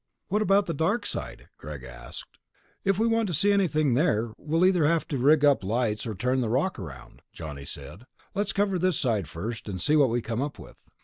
"What about the dark side?" Greg asked. "If we want to see anything there, we'll either have to rig up lights or turn the rock around," Johnny said. "Let's cover this side first and see what we come up with."